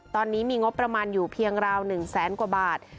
ตอนนี้มีงบประมาณอยู่เพียงราว๑แสนกว่าบาท